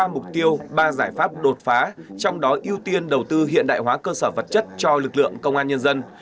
ba mục tiêu ba giải pháp đột phá trong đó ưu tiên đầu tư hiện đại hóa cơ sở vật chất cho lực lượng công an nhân dân